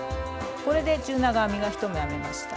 これで中長編みが１目編めました。